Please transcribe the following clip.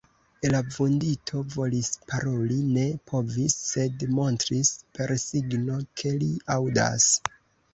La vundito volis paroli, ne povis, sed montris per signo, ke li aŭdas.